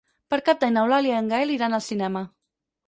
Per Cap d'Any n'Eulàlia i en Gaël iran al cinema.